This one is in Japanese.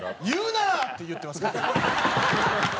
「言うな！」って言ってます